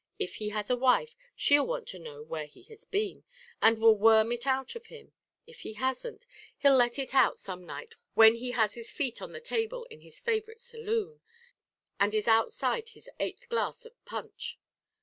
If he has a wife, she'll want to know where he has been, and will worm it out of him. If he hasn't, he'll let it out some night when he has his feet on the table in his favourite saloon, and is outside his eighth glass of punch.